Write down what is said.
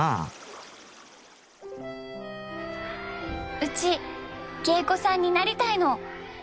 うち芸妓さんになりたいの。